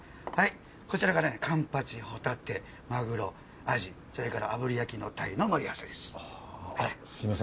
はいこちらからねカンパチホタテマグロアジそれから炙り焼きのタイの盛り合わせです。